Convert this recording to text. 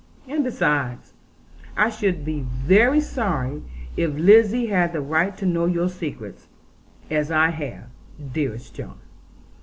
And besides, I should be very sorry if Lizzie had the right to know your secrets, as I have, dearest John.